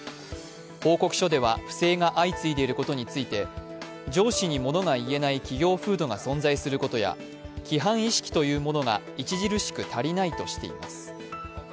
報告書では不正が相次いでいることについて、上司に物が言えない企業風土が存在することや規範意識というものが著しく足りないとしています。